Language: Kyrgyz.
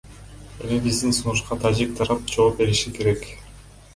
Эми биздин сунушка тажик тарап жооп бериши керек.